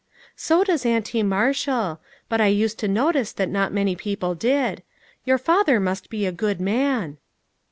" So does Auntie Marshall ; but I used to no tice that not many people did. Your father must be a good man."